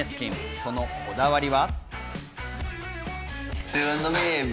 そのこだわりは？